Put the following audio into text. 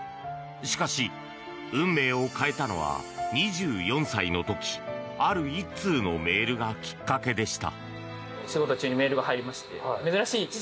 しかし、運命を変えたのは２４歳の時ある１通のメールがきっかけでした。